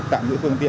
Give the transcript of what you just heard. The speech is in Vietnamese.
tạm ngữ phương tiện